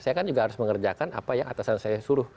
saya kan juga harus mengerjakan apa yang atasan saya suruh